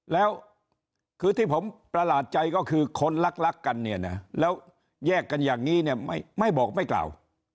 แล้วคือที่ผมประหลาดใจก็คือคนรักกันเนี่ยนะแล้วแยกกันอย่างนี้เนี่ยไม่บอกไม่กล่าว